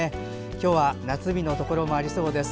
今日は夏日のところもありそうです。